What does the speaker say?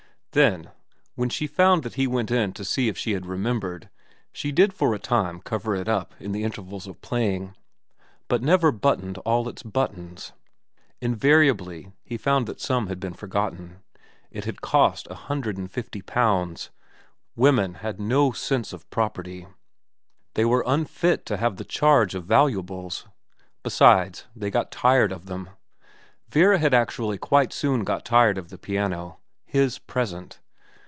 Then, when she found that he went in to see if she had remembered, she did for a time cover it up in the intervals of playing, but never buttoned all its buttons ; invariably he found that some had been forgotten. It had cost 150. Women had no sense of property. They were unfit to have xxi VERA 231 the charge of valuables. Besides, they got tired of them. Vera had actually quite soon got tired of the piano. His present.